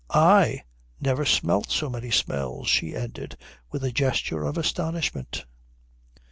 I never smelt so many smells," she ended, with a gesture of astonishment.